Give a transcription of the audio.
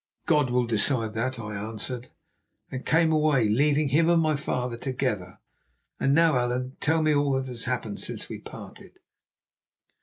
"'God will decide that,' I answered, and came away, leaving him and my father together. And now, Allan, tell me all that has happened since we parted."